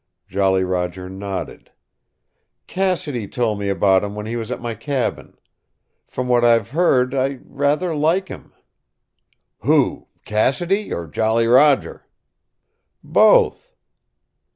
Jolly Roger nodded. "Cassidy told me about him when he was at my cabin. From what I've heard I rather like him." "Who Cassidy, or Jolly Roger?" "Both."